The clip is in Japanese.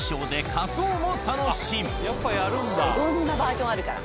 いろんなバージョンあるから。